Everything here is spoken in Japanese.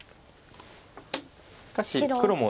しかし黒も。